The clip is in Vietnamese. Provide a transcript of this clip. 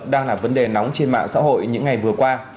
đang là vấn đề nóng trên mạng xã hội những ngày vừa qua